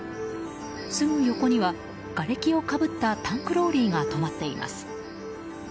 すぐ横にはがれきをかぶったタンクローリーが止まっています。